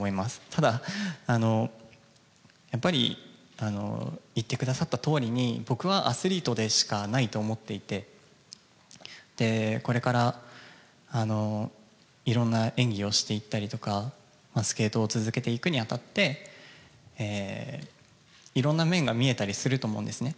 ただ、やっぱりいってくださったとおりに、僕はアスリートでしかないと思っていて、これからいろんな演技をしていったりとか、スケートを続けていくにあたって、いろんな面が見えたりすると思うんですね。